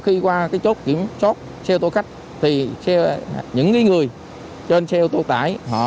khi qua chốt kiểm soát dịch ô tô khách thì họ đã đưa người lên xe ô tô tải